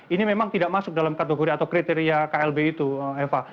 ini memang tidak masuk dalam kategori atau kriteria klb itu eva